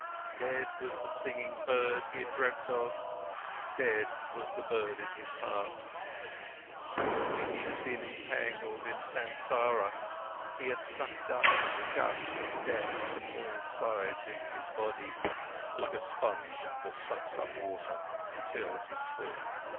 Dead was the singing bird he had dreamt of. Dead was the bird in his heart. Deeply, he had been entangled in Sansara, he had sucked up disgust and death from all sides into his body, like a sponge sucks up water until it is full.